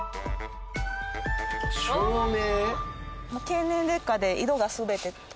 照明？